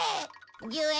１０円。